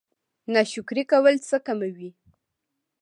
ناشکري کول څه کموي؟